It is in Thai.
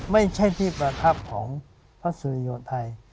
ไม่ใช่ที่ประทับของพระสุริโยไทย